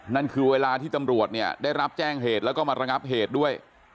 นั่นคือเวลาที่ตำรวจเนี่ยได้รับแจ้งเหตุแล้วก็มาระงับเหตุด้วย